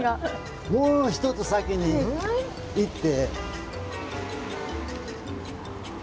もう一つ先に行って。